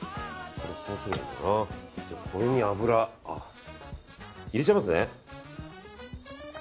これに油入れちゃいますね。